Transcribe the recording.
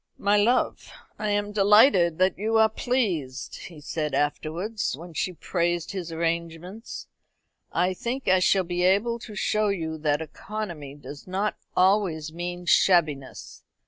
"My love, I am delighted that you are pleased," he said afterwards, when she praised his arrangements. "I think I shall be able to show you that economy does not always mean shabbiness.